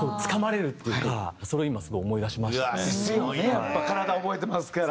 やっぱ体覚えてますから。